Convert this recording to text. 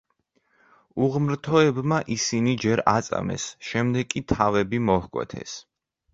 უღმრთოებმა ისინი ჯერ აწამეს, შემდეგ კი თავები მოჰკვეთეს.